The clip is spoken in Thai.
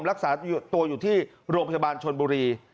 รักษาตัวอยู่ที่โรงพยาบาลชนบุรี